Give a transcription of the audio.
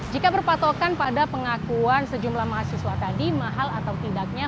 jika berpatokan pada pengakuan sejumlah mahasiswa tadi mahal atau tidaknya